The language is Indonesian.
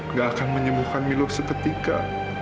nggak akan menyembuhkan milur seketika